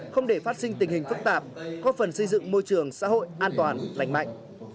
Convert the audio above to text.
không để phát sinh tình hình phức tạp góp phần xây dựng môi trường xã hội an toàn lành mạnh